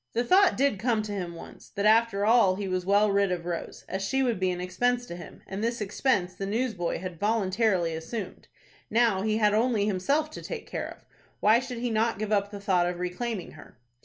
The thought did come to him once, that after all he was well rid of Rose, as she would be an expense to him, and this expense the newsboy had voluntarily assumed. Now he had only himself to take care of. Why should he not give up the thought of reclaiming her?